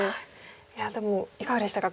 いやでもいかがでしたか？